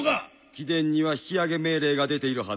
貴殿には引き揚げ命令が出ているはずだ。